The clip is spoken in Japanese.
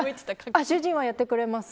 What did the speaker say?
主人はやってくれます。